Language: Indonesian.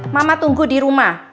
mama tunggu di rumah